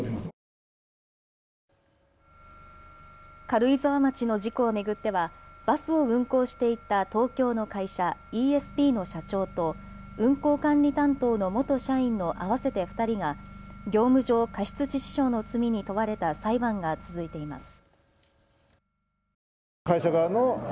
軽井沢町の事故を巡ってはバスを運行していた東京の会社、イーエスピーの社長と運行管理担当の元社員の合わせて２人が業務上過失致死傷の罪に問われた裁判が続いています。